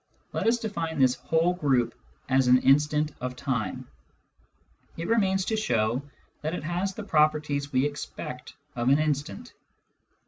Let us define this whole group as an instant qf jh jfni* It remains to show that it has the properties we expect oi an instant.